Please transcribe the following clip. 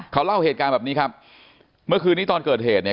เขาเล่าเหตุการณ์แบบนี้ครับเมื่อคืนนี้ตอนเกิดเหตุเนี่ย